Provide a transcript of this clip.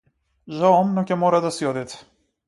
Жалам но ќе мора да си одите.